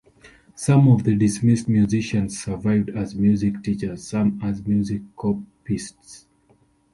Some of the dismissed musicians survived as music teachers, some as music copyists.